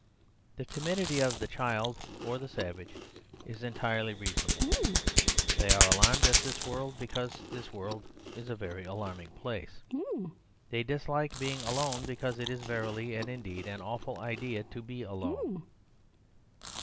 ..... The timidity of the child or the savage is entirely reasonable; they are alarmed at this world, because this world is a very alarming place. They dislike being alone because it is verily and indeed an awful idea to be alone.